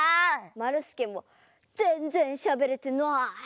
まるすけもぜんぜんしゃべれてない！